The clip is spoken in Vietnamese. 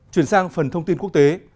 chuyển sang phần thông tin quốc tế